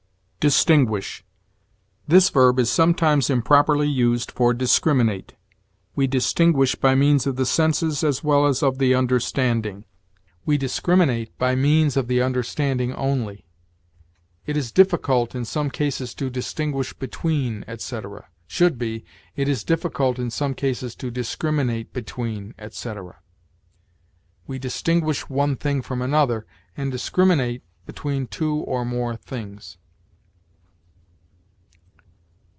DISTINGUISH. This verb is sometimes improperly used for discriminate. We distinguish by means of the senses as well as of the understanding; we discriminate by means of the understanding only. "It is difficult, in some cases, to distinguish between," etc.: should be, "It is difficult, in some cases, to discriminate between," etc. We distinguish one thing from another, and discriminate between two or more things.